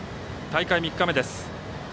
大会３日目です。